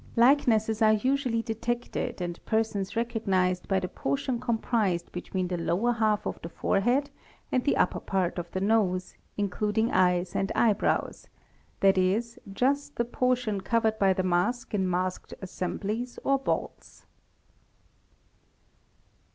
likenesses are usually detected and persons recog nized by the portion comprised between the lower half of the forehead and the upper part of the nose, including eyes and eyebrows, 7.e., just the portion covered by the mask in masked assemblies or balls.